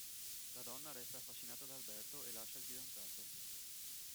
La donna resta affascinata da Alberto e lascia il fidanzato.